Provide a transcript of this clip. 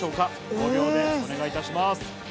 ５秒でお願いいたします。